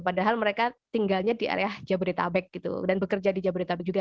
padahal mereka tinggalnya di area jabodetabek gitu dan bekerja di jabodetabek juga